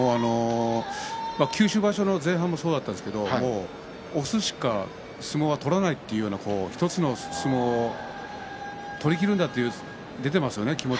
九州場所の前半もそうだったんですが押すしか相撲は取らないというような１つの相撲を取りきるんだという気持ちが出てますよね。